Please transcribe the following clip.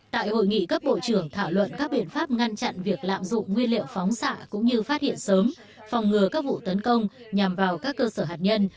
tại hội nghị các bộ trưởng thảo luận các biện pháp ngăn chặn việc lạm dụng nguyên liệu phóng xạ cũng như phát hiện sớm phòng ngừa các vụ tấn công nhằm vào các cơ sở hạt nhân